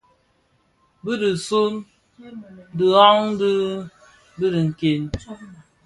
Bi dhi suň dhighan dya dhi nken.